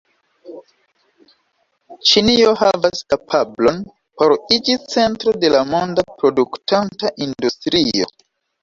Ĉinio havas kapablon por iĝi centro de la monda produktanta industrio.